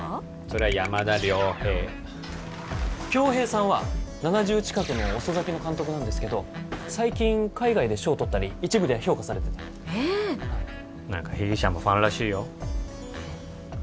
それは山田遼平恭兵さんは７０近くの遅咲きの監督なんですけど最近海外で賞を取ったり一部で評価されててへえ何か被疑者もファンらしいよえっ？